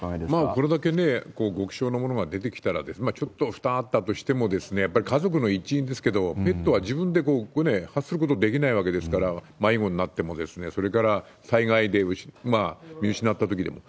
これだけ極小のものが出てきたら、ちょっと負担あったとしても、やっぱり家族の一員ですけど、ペットは自分で発することができないわけですから、迷子になっても、それから災害で見失ったときでも。